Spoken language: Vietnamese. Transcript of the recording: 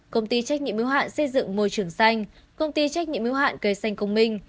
công ty trách nhiệm yếu hạn xây dựng môi trường xanh công ty trách nhiệm hữu hạn cây xanh công minh